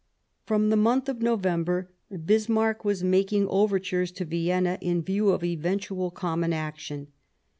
From the month of November Bismarck was making overtures to Vienna in view of eventual common action.